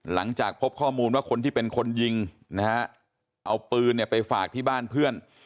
หลังจากพบข้อมูลว่าคนที่เป็นคนยิงนะฮะเอาปืนเนี่ยไปฝากที่บ้านเพื่อน